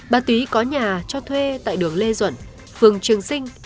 bà túy có nhà cho thuê tại đường lê duẩn phường trường sinh